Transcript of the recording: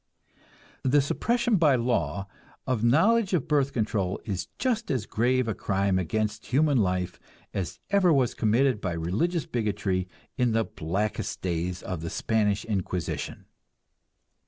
The suppression by law of knowledge of birth control is just as grave a crime against human life as ever was committed by religious bigotry in the blackest days of the Spanish Inquisition.